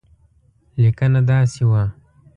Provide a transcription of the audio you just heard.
لیکنه داسې وه.